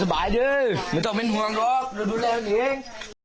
สบายด้วยไม่ต้องเป็นห่วงหรอก